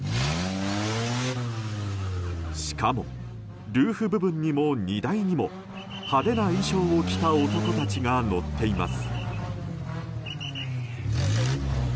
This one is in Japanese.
しかも、ルーフ部分にも荷台にも派手な衣装を着た男たちが乗っています。